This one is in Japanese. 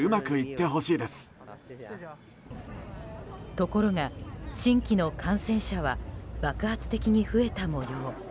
ところが、新規の感染者は爆発的に増えた模様。